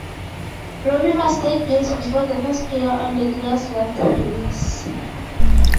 Robbing must take place before the first player on the dealer's left leads.